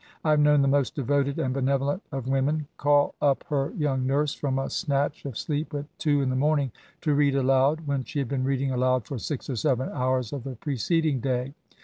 I have known the most devoted and benevolent of women call up her young nurse &om a snatch of sleep at two in the morning to read aloud, wheu she had been reading aloud for six or seven hours of the preceding day.